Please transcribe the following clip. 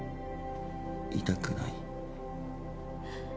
痛くない？